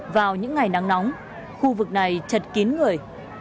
vào những ngày nắng nóng khu vực này chật kín người